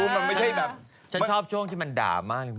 มันช่องช่องที่มันด่ามากเลยมัน